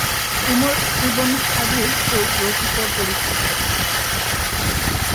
Umar ibn Hajib রচিত পরিশিষ্ট।